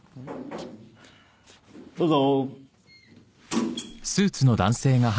・どうぞ。